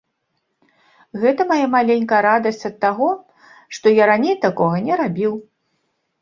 Гэта мая маленькая радасць ад таго, што я раней такога не рабіў.